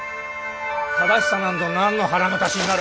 正しさなんぞ何の腹の足しになる？